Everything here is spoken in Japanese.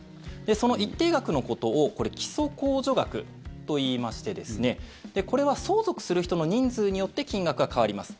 その一定額のことを基礎控除額といいましてこれは相続する人の人数によって金額が変わります。